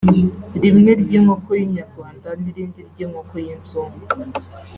rimwe ry’inkoko y’inyarwanda n’irindi ry’inkoko y’inzugu